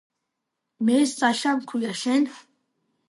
მე საშა მქვია შენ?